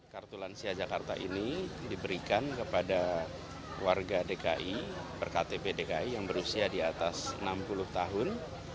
kartu lansia jakarta ini diberikan kepada warga dki berktp dki yang berusia di atas enam puluh tahun